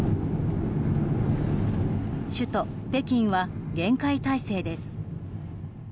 首都・北京は厳戒態勢です。